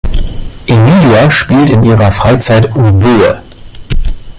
Emilia spielt in ihrer Freizeit Oboe.